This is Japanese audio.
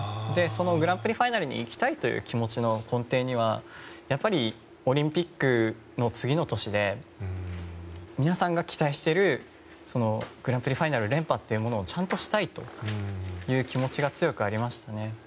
そのグランプリファイナルに行きたいという気持ちの根底にはやっぱりオリンピックの次の年で皆さんが期待しているグランプリファイナル連覇をちゃんとしたいという気持ちが強くありましたね。